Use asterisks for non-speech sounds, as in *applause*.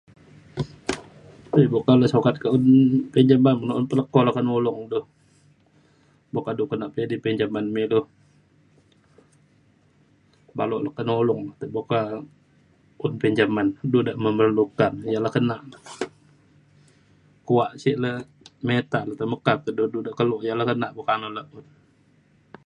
um bukan lu sukat un pinjaman un ke leko nulong du buk ka du nak idi pinjaman me ilu. ban lu kenolong buk ka un pinjamin. du de memerlukan ialah ke nak kuak sek le mita te meka de du de kelo *unintelligible* nak bo kak ngan le.